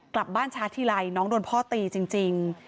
กลับบ้านช้าทีไรน้องโดนพ่อตีจริง